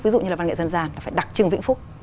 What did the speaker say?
ví dụ như là văn nghệ dân gian là phải đặc trưng vĩnh phúc